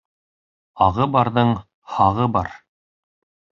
Ағы барҙың һағы бар.